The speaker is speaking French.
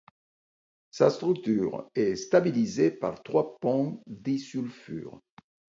Sa structure est stabilisée par trois ponts disulfures.